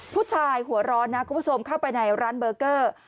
ผู้ชายหัวร้อนนะก็ผสมเข้าไปในร้านเบอร์เกอร์